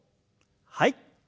はい。